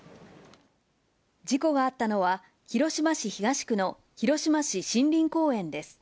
事故があったのは広島市東区の広島市森林公園です。